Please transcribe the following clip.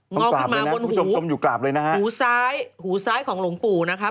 งอกขึ้นมาบนหูหูซ้ายหูซ้ายของหลงปู่นะคะ